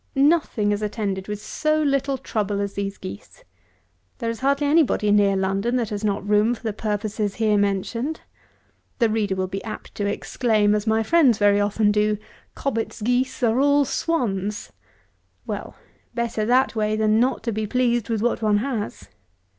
Nothing is attended with so little trouble as these geese. There is hardly any body near London that has not room for the purposes here mentioned. The reader will be apt to exclaim, as my friends very often do, "Cobbett's Geese are all Swans." Well, better that way than not to be pleased with what one has.